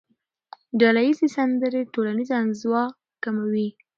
ډلهییزې سندرې ټولنیزه انزوا کموي.